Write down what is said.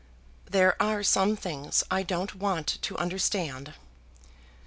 "There are some things I don't want to understand."